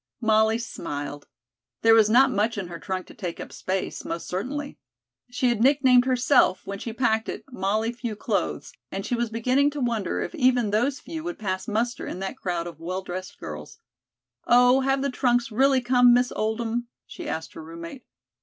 Molly smiled. There was not much in her trunk to take up space, most certainly. She had nicknamed herself when she packed it "Molly Few Clothes," and she was beginning to wonder if even those few would pass muster in that crowd of well dressed girls. "Oh, have the trunks really come, Miss Oldham?" she asked her roommate.